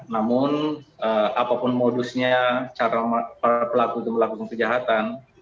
namun apapun modusnya cara para pelaku itu melakukan kejahatan